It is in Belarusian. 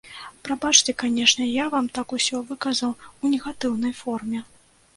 Прабачце, канешне, я вам так усё выказаў у негатыўнай форме.